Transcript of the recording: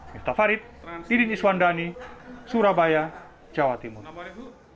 miftah farid idin iswandani surabaya jawa timur